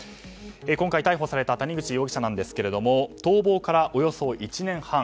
今回逮捕された谷口容疑者ですが逃亡からおよそ１年半。